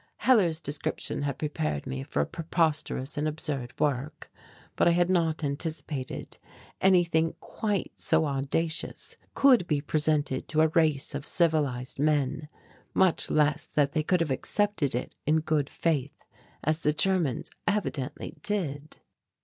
Hellar's description had prepared me for a preposterous and absurd work, but I had not anticipated anything quite so audacious could be presented to a race of civilized men, much less that they could have accepted it in good faith as the Germans evidently did.